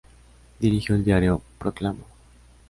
Dirigió el diario "Proclama".